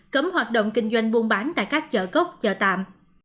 cấm hoạt động kinh doanh buôn bán tại các chợ cốc chợ tạm